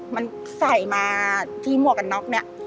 มันใส่มาที่หมวกกันน็อกเนี่ย